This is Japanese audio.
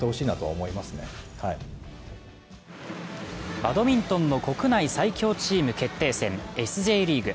バドミントンの国内最強チーム決定戦、Ｓ／Ｊリーグ。